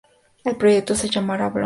El proyecto se llamará "Blonde".